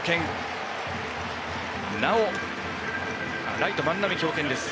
ライトの万波、強肩です。